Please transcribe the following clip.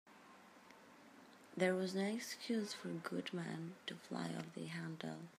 There was no excuse for Goodman to fly off the handle.